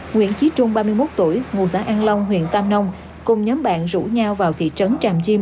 nguyễn trí trung ba mươi một tuổi ngụ xã an long huyện tam nông cùng nhóm bạn rủ nhau vào thị trấn tràm chim